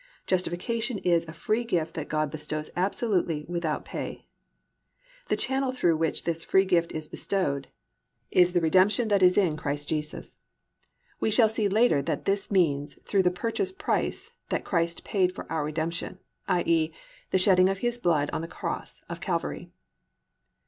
Justification is a free gift that God bestows absolutely without pay. The channel through which this free gift is bestowed is the redemption that is in Christ Jesus. We shall see later that this means through the purchase price that Christ paid for our redemption, i.e., the shedding of His blood on the cross of Calvary.